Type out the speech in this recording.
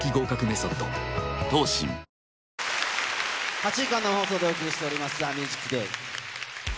８時間、生放送でお送りしております、ＴＨＥＭＵＳＩＣＤＡＹ。